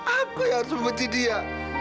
aku yang harus membenci dia